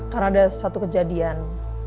karena ada satu kejadian